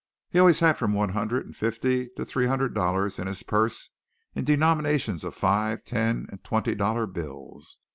He always had from one hundred and fifty to three hundred dollars in his purse in denominations of five, ten and twenty dollar bills.